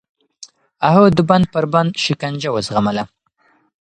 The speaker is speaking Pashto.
هغه د بند پر بند شکنجه وزغمله.